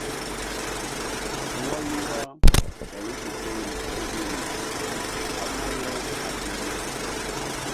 Ualua wa lusifeli, egulu a agole a vilye.